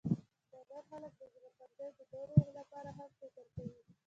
شتمن خلک د ځان پر ځای د نورو لپاره هم فکر کوي.